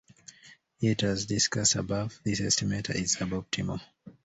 Yet, as discussed above, this estimator is suboptimal.